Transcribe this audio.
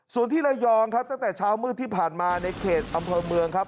ส่วนที่ระยองครับตั้งแต่เช้ามืดที่ผ่านมาในเขตอำเภอเมืองครับ